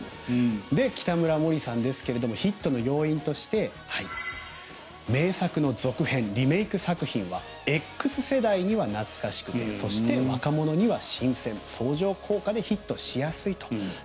北村森さんですがヒットの要因として名作の続編、リメイク作品はＸ世代には懐かしくそして、若者には新鮮相乗効果でヒットしやすいと。